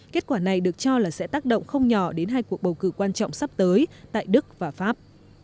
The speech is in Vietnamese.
kết quả này được cho là sẽ tác động không nhỏ đến hai cuộc bầu cử quan trọng sắp tới tại đức và pháp